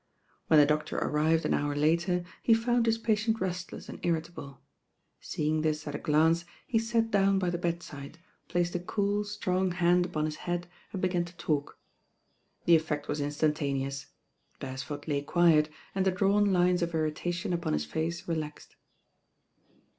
When the doctor arrived an hour later, he found his patient restless and irritable. Seeing this at a glance, he sat down by the bedside, placed a cool, strong hand upon his head, and began to talk. The effect was instantaneous. Beresford lay quiet, and the drawn lines of irritation upon his face relaxed.